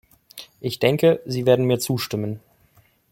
Ich denke, Sie werden mir zustimmen.